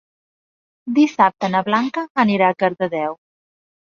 Dissabte na Blanca anirà a Cardedeu.